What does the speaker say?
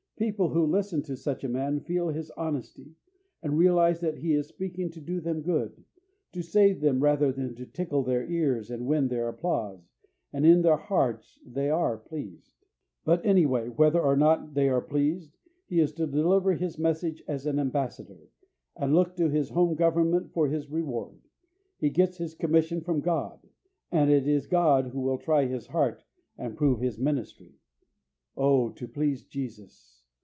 People who listen to such a man feel his honesty, and realise that he is seeking to do them good, to save them rather than to tickle their ears and win their applause, and in their hearts they are pleased. But, anyway, whether or not they are pleased, he is to deliver his message as an ambassador, and look to his home government for his reward. He gets his commission from God, and it is God who will try his heart and prove his ministry. Oh, to please Jesus!